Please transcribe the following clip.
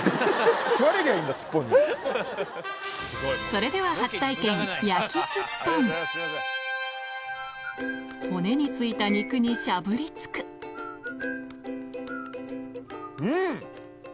それでは初体験骨に付いた肉にしゃぶりつくん！